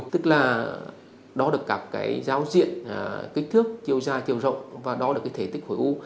tức là đo được các cái giao diện kích thước chiều dài chiều rộng và đó được cái thể tích khối u